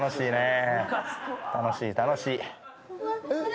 楽しい楽しい。